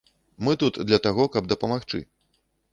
Мы тут для таго, каб дапамагчы.